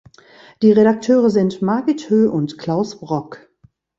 Die Redakteure sind Margit Höh und Klaus Brock.